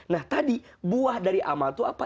nah tadi buah dari amal itu apa